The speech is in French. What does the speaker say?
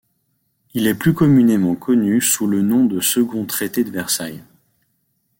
Il est plus communément connu sous le nom de Second traité de Versailles.